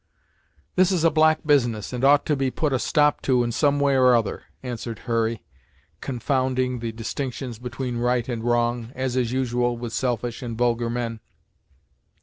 "This is a black business, and ought to be put a stop to in some way or other " answered Hurry, confounding the distinctions between right and wrong, as is usual with selfish and vulgar men.